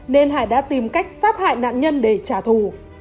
nên hải đã tìm cách sát hại nạn nhân để trả thù